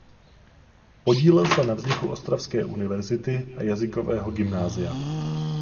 Podílel se na vzniku Ostravské univerzity a jazykového gymnázia.